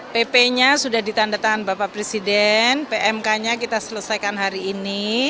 pp nya sudah ditanda tangan bapak presiden pmk nya kita selesaikan hari ini